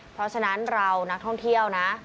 เพราะฉะนั้นเรานักท่องเที่ยวนะ